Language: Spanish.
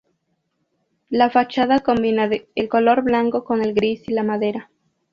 La fachada combina el color blanco con el gris y la madera.